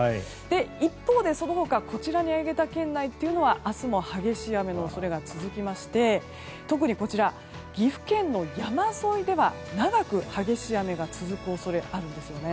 一方でその他こちらに挙げた県内は明日も激しい雨の恐れが続きまして特に岐阜県の山沿いでは長く激しい雨が続く恐れがあります。